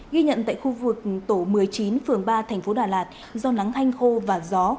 ghi nhận tại khu vực tổ một mươi chín phường ba thành phố đà lạt do nắng hanh khô và gió